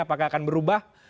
apakah akan berubah